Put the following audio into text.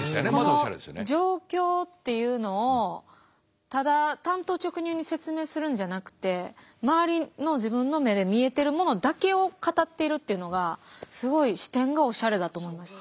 この状況っていうのをただ単刀直入に説明するんじゃなくて周りの自分の目で見えてるものだけを語っているっていうのがすごい視点がおしゃれだと思いました。